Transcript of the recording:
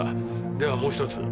ではもう１つ。